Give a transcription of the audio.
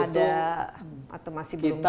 ada atau masih belum bisa